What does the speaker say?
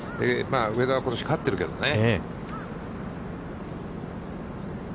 上田はことし勝ってるけどね。